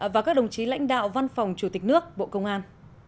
và các đồng chí lãnh đạo văn phòng chủ tịch nước bộ công an